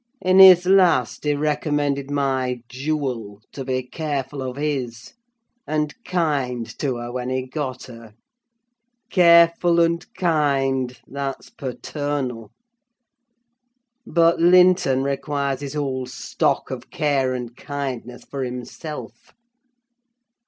In his last he recommended my jewel to be careful of his; and kind to her when he got her. Careful and kind—that's paternal. But Linton requires his whole stock of care and kindness for himself.